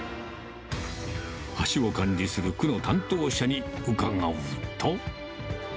橋を管理する区の担当者に伺うと。